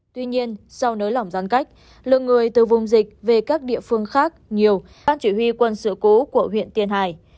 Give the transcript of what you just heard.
tuy nhiên sau nới lỏng giãn cách lượng người từ vùng dịch về các địa phương khác nhiều ban chỉ huy quân sự cố của huyện tiền hải